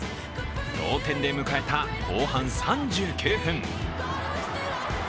同点で迎えた後半３９分。